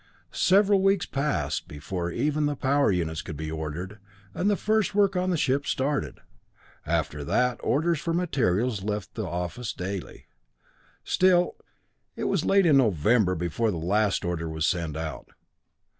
Several weeks passed before even the power units could be ordered and the first work on the ship started. After that orders for materials left the office daily. Still, it was late in November before the last order was sent out.